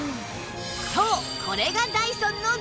そう！